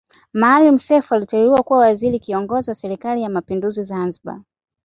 Maalim Self aliteuliwa kuwa waziri kiongozi wa serikali ya mapinduzi Zanzibari